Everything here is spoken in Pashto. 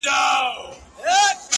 دا خو ددې لپاره!